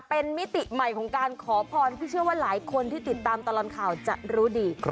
เป็นมิติใหม่ของการขอพรที่เชื่อว่าหลายคนที่ติดตามตลอดข่าวจะรู้ดี